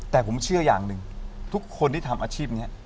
แต่ผมเชื่ออย่างหนึ่งทุกคนที่ทำอาชีพนี้